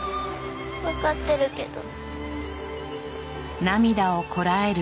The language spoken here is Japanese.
わかってるけど。